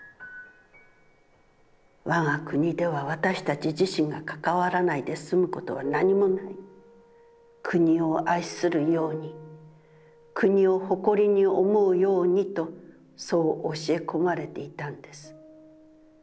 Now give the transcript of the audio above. わが国では私たち自身が関わらないですむことは何もない、国を愛するように、国を誇りに思うようにと、そう教え込まれていたんです。